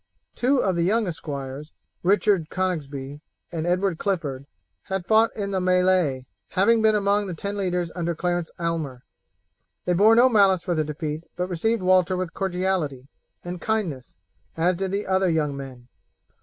Two of the young esquires, Richard Coningsby and Edward Clifford, had fought in the melee, having been among the ten leaders under Clarence Aylmer. They bore no malice for the defeat, but received Walter with cordiality and kindness, as did the other young men.